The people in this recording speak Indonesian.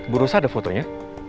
bu rosa ada fotonya